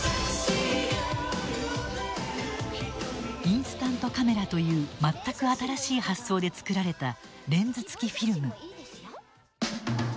インスタントカメラという全く新しい発想で作られたレンズ付きフィルム。